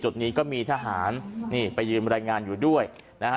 จุดนี้ก็มีทหารนี่ไปยืนรายงานอยู่ด้วยนะฮะ